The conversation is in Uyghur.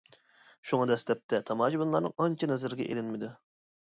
شۇڭا دەسلەپتە تاماشىبىنلارنىڭ ئانچە نەزىرىگە ئېلىنمىدى.